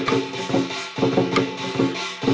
โรงงานของเรา